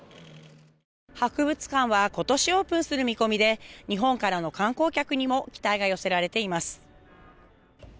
博物館は今年オープンする見込みで日本からの観光客にも期待が寄せられています。